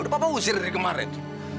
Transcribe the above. udah bapak usir dari kemarin